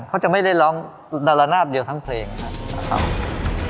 เขาจะไม่ได้ร้องดารานาบเดียวทั้งเพลงนะครับ